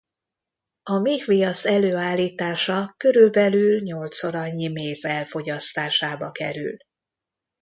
A méhviasz előállítása körülbelül nyolcszor annyi méz elfogyasztásába kerül.